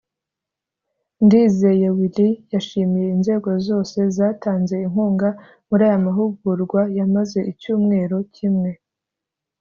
Ndizeye Willy yashimiye inzego zose zatanze inkuga muri aya mahugurwa yamaze icyumweru kimwe